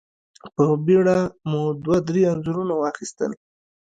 په بېړه مو دوه درې انځورونه واخيستل.